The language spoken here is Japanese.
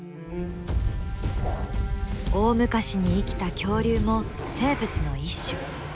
大昔に生きた恐竜も生物の一種。